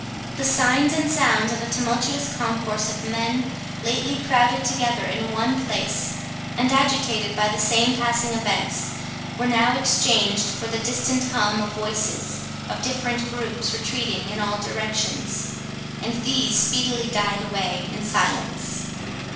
The signs and sounds of a tumultuous concourse of men lately crowded together in one place, and agitated by the same passing events, were now exchanged for the distant hum of voices of different groups retreating in all directions, and these speedily died away in silence.